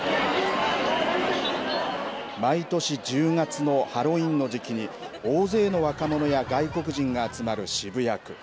毎年１０月のハロウィーンの時期に大勢の若者や外国人が集まる渋谷区。